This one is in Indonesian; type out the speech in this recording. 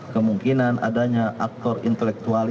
kemungkinan adanya aktor intelektualnya